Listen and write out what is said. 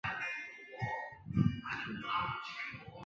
山香芹是伞形科岩风属的植物。